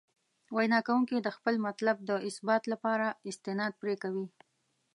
وینا کوونکي د خپل مطلب د اثبات لپاره استناد پرې کوي.